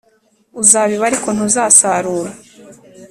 uzabiba ariko ntuzasarura